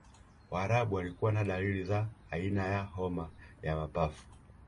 waarabu walikuwa na dalili za aina ya homa ya mapafu